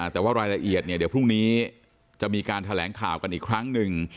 แต่ว่ารายละเอียดเนี่ยเดี๋ยวพรุ่งนี้จะมีการแถลงข่าวกันอีกครั้งหนึ่ง